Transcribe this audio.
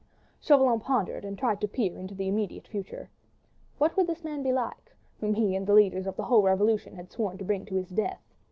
Chauvelin pondered and tried to peer into the immediate future. What would this man be like, whom he and the leaders of a whole revolution had sworn to bring to his death?